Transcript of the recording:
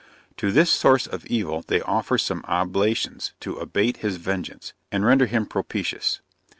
To this source of evil they offer some oblations to abate his vengeance, and render him propitious.